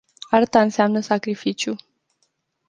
Arta înseamnă sacrificiu.